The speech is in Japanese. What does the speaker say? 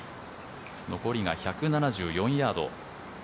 残りが１７４ヤード。